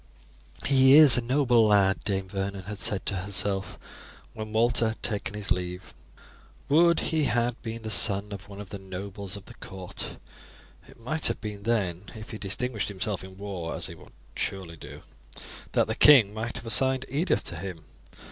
"He is a noble lad," Dame Vernon had said to herself when Walter had taken his leave. "Would he had been the son of one of the nobles of the court! It might have been then, if he distinguished himself in war, as he would surely do, that the king might have assigned Edith to him.